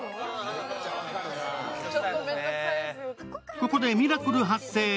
ここでミラクル発生。